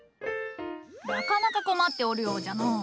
なかなか困っておるようじゃのう。